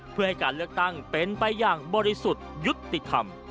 เพื่อให้การเลือกตั้งเป็นไปอย่างบริสุทธิ์ยุติธรรม